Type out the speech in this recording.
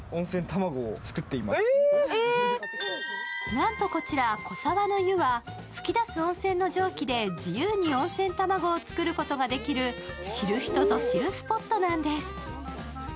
なんと、こちら小沢の湯は噴き出す温泉の蒸気で自由に温泉卵を作ることができる、知る人ぞ知るスポットなんです。